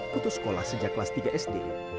putus sekolah sejak kelas tiga sd